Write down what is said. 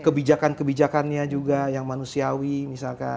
kebijakan kebijakannya juga yang manusiawi misalkan